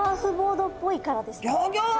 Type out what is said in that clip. ギョギョッ！